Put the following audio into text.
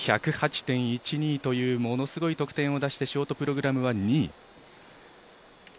１０８．１２というものすごい得点を出してショートプログラムは２位。